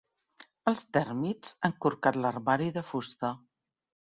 Els tèrmits han corcat l'armari de fusta.